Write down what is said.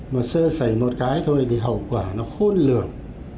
mà sơ xảy một cái thôi thì hậu quả nó khôn lường